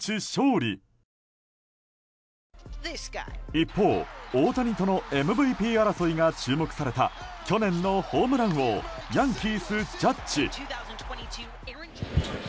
一方、大谷とのＭＶＰ争いが注目された去年のホームラン王ヤンキース、ジャッジ。